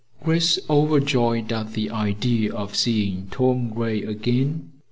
Grace was overjoyed at the idea of seeing Tom Gray again.